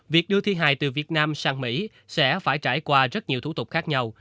việc đưa thi hài từ việt nam sang mỹ sẽ phải trải qua rất nhiều thủ tục khác nhau